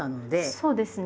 そうですね。